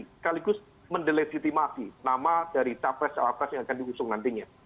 sekaligus mendelegitimasi nama dari capres cawapres yang akan diusung nantinya